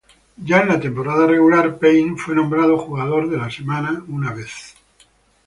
Ya en la temporada regular, Payne fue nombrado jugador de la semana una vez.